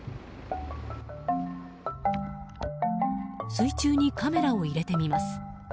水中にカメラを入れてみます。